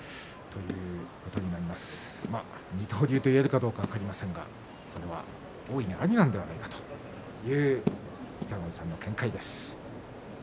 二刀流と言えるかどうかは分かりませんがそれは大いにありなんではないかという北の富士さんの見解です。